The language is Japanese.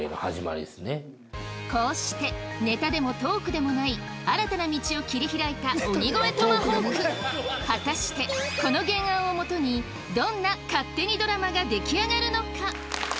こうしてネタでもトークでもない新たな道を切り拓いた鬼越トマホーク果たしてこの原案をもとにどんな「勝手にドラマ」が出来上がるのか？